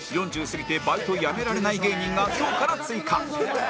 ４０過ぎてバイトやめられない芸人が今日から追加